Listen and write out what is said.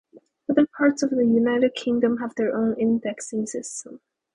Other parts of the United Kingdom have their own indexing system.